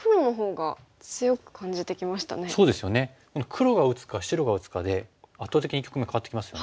黒が打つか白が打つかで圧倒的に局面変わってきますよね。